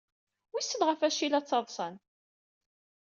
Wissen ɣef wacu ay la ttaḍsan.